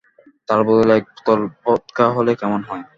তার বদলে এক বোতল ভদকা হলে কেমন হয়?